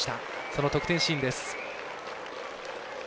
その得点シーンです。